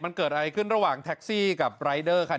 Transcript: มันเกิดอะไรขึ้นระหว่างแท็กซี่กับรายเดอร์ค่ะ